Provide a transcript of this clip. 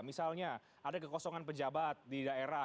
misalnya ada kekosongan pejabat di daerah